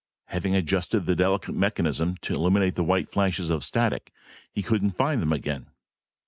Having adjusted the delicate mechanism to eliminate the white flashes of static, he couldn't find them again.